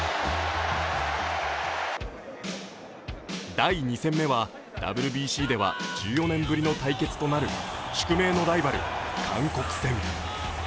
第２戦目はＷＢＣでは１４年ぶりの対決となる宿命のライバル、韓国戦。